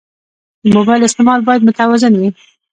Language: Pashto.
د موبایل استعمال باید متوازن وي.